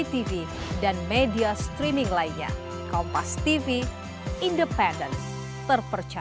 terima kasih pak austo